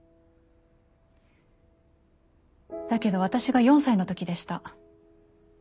だけど私が４歳の時でした。